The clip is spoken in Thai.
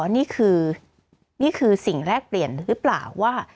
นี่คือนี่คือสิ่งแรกเปลี่ยนหรือเปล่าว่า